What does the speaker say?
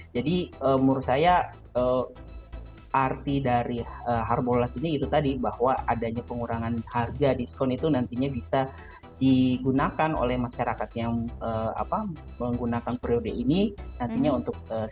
jadi menurut saya arti dari harbol nas ini itu tadi bahwa adanya pengurangan harga discount itu nantinya bisa digunakan oleh masyarakat yang menggunakan periode ini nantinya untuk saving